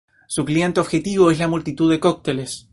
Su cliente objetivo es la multitud de cócteles.